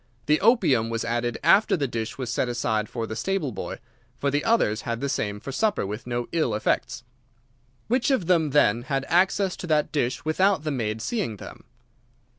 The opium was added after the dish was set aside for the stable boy, for the others had the same for supper with no ill effects. Which of them, then, had access to that dish without the maid seeing them?